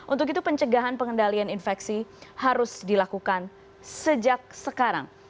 untuk itu pencegahan pengendalian infeksi harus dilakukan sejak sekarang